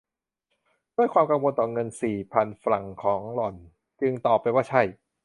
ด้วยความกังวลต่อเงินสี่พันฟรังส์ของหล่อน จึงตอบไปว่า ใช่